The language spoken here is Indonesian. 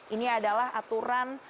ini adalah aturan